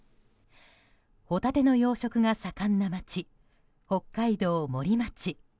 ホタテの養殖が盛んな町北海道森町。